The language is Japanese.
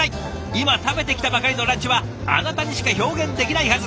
今食べてきたばかりのランチはあなたにしか表現できないはず。